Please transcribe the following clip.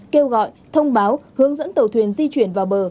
kêu gọi thông báo hướng dẫn tàu thuyền di chuyển vào bờ